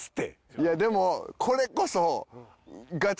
いやでもこれこそ。